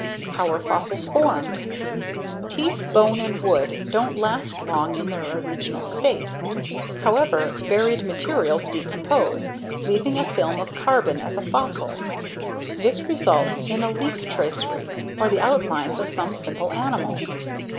How are fossils formed? Teeth, bone and wood don't last long in their original state. However, buried materials decompose, leaving a film of carbon as a fossil. This results in a leaf tracery, or the outlines of some simple animal.